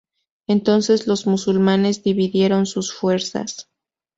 Entonces los musulmanes dividieron sus fuerzas.